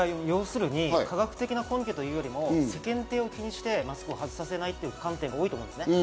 要するに科学的な根拠というより世間体を気にしてマスクを外させないという観点が多いと思います。